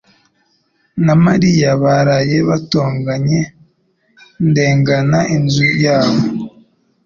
na Mariya baraye batonganye ndengana inzu yabo